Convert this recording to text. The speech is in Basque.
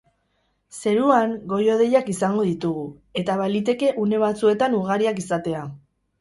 Zeruan, goi-hodeiak izango ditugu, eta baliteke une batzuetan ugariak izatea.